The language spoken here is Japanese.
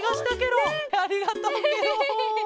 ありがとうケロ。